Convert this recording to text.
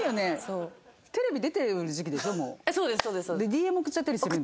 ＤＭ送っちゃったりするんだ。